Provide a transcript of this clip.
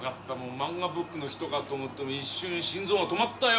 「まんがブック」の人かと思って一瞬心臓が止まったよ。